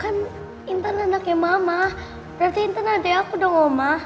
kan intan anaknya mama berarti intan adek aku dong oma